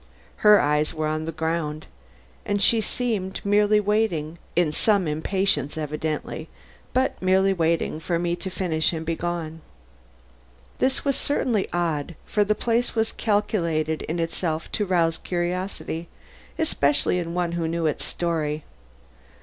Her eyes were on the ground, and she seemed merely waiting in some impatience, evidently, but yet merely waiting for me to finish and be gone. This was certainly odd, for the place was calculated in itself to rouse curiosity, especially in one who knew its story.